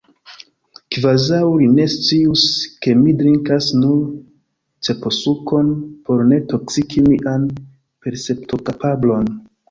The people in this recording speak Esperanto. Kvazaŭ li ne scius ke mi drinkas nur ceposukon, por ne toksigi mian perceptokapablon!